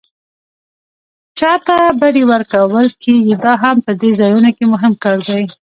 چاته بډې ورکول کېږي دا هم په دې ځایونو کې مهم کار دی.